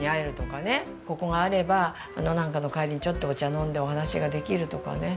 ここがあればなんかの帰りにちょっとお茶飲んでお話ができるとかね。